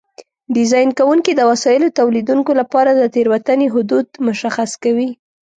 ډیزاین کوونکي د وسایلو تولیدوونکو لپاره د تېروتنې حدود مشخص کوي.